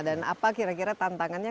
dan apa kira kira tantangannya